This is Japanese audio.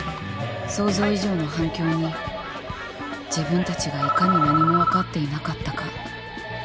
想像以上の反響に自分たちがいかに何もわかっていなかったか。